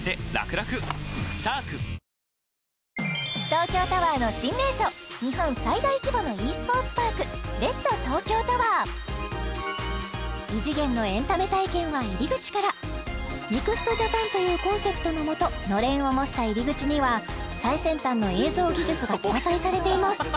東京タワーの新名所日本最大規模のｅｓｐｏｒｔｓパークＲＥＤ°ＴＯＫＹＯＴＯＷＥＲ異次元のエンタメ体験は入り口から「ＮＥＸＴＪＡＰＡＮ」というコンセプトのもとのれんを模した入り口には最先端の映像技術が搭載されています